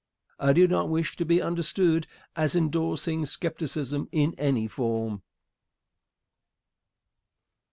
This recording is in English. I do not wish to be understood as indorsing skepticism in any form.